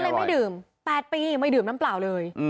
ไม่ดื่ม๘ปีไม่ดื่มน้ำเปล่าเลย